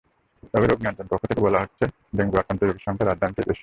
তবে রোগনিয়ন্ত্রণকক্ষ থেকে বলা হচ্ছে, ডেঙ্গু আক্রান্ত রোগীর সংখ্যা রাজধানীতেই বেশি।